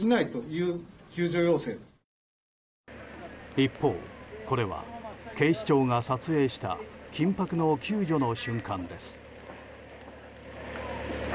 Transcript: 一方、これは警視庁が撮影した緊迫の救助の瞬間です。